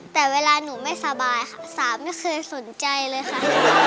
แต่เวลาหนูไม่สบายค่ะสามไม่เคยสนใจเลยค่ะ